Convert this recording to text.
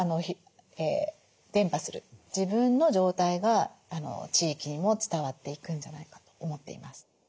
自分の状態が地域にも伝わっていくんじゃないかと思っています。